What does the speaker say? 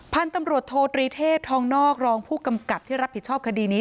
พันธุ์ตำรวจโทตรีเทพทองนอกรองผู้กำกับที่รับผิดชอบคดีนี้